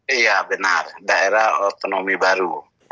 iya benar daerah otonomi baru